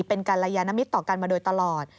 เป็นกัลยานมิตรต่อกันมาโดยตลอด